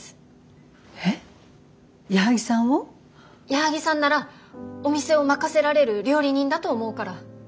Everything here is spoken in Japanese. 矢作さんならお店を任せられる料理人だと思うから。